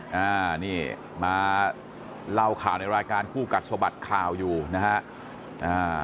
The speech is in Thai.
อ่านี่มาเล่าข่าวในรายการคู่กัดสะบัดข่าวอยู่นะฮะอ่า